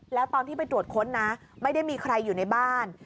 แล้วตอนที่ไปตรวจค้นนะไม่ได้มีใครอยู่ในบ้าน